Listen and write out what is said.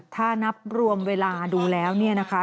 ถ้านับรวมเวลาดูแล้วเนี่ยนะคะ